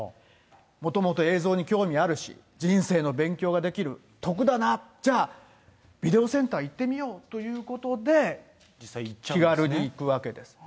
もともと映像に興味あるし、人生の勉強ができる、得だな、じゃあ、ビデオセンター行ってみようということで、気軽に行くわけです。